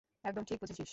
একদম ঠিক বুঝেছিস।